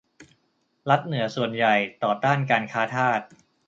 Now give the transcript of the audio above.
รัฐเหนือส่วนใหญ่ต่อต้านการค้าทาส